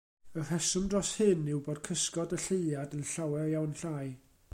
Y rheswm dros hyn yw bod cysgod y Lleuad yn llawer iawn llai.